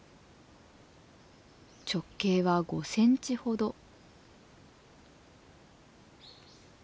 直径は５センチほど。